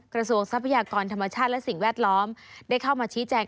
ทรัพยากรธรรมชาติและสิ่งแวดล้อมได้เข้ามาชี้แจง